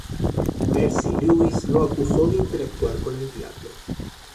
Mercy Lewis lo acusó de interactuar con el diablo.